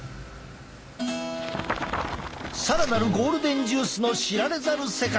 更なるゴールデンジュースの知られざる世界！